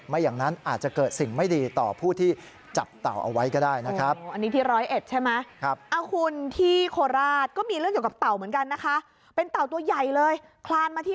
อย่างนั้นอาจจะเกิดสิ่งไม่ดีต่อผู้ที่จับเต่าเอาไว้ก็ได้นะครับ